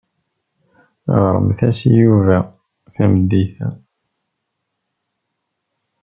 Ɣremt-as i Yuba tameddit-a.